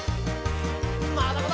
まだまだ！